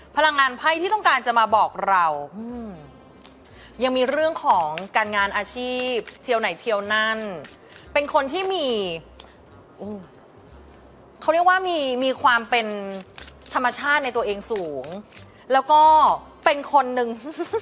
พลังงานไพ่ที่ต้องการจะมาบอกเรายังมีเรื่องของการงานอาชีพเทียวไหนเทียวนั่นเป็นคนที่มีเขาเรียกว่ามีความเป็นธรรมชาติในตัวเองสูงแล้วก็เป็นคนนึง